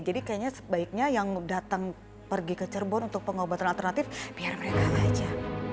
jadi kayaknya sebaiknya yang datang pergi ke cerbon untuk pengobatan alternatif biar mereka aja